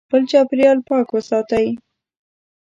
خپل چاپیریال پاک وساتئ.